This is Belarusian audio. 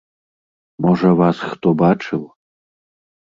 Можа, вас хто бачыў?